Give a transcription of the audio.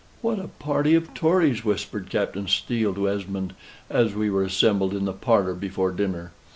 "What a party of Tories!" whispered Captain Steele to Esmond, as we were assembled in the parlor before dinner.